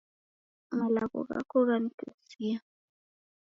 Malombi ghako ghanitesia.